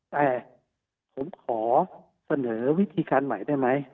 แต่ผมขอเสนอวิธีการใหม่ได้ไหม